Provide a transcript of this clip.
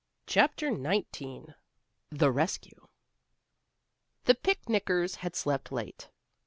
CHAPTER XIX THE RESCUE The picnickers had slept late.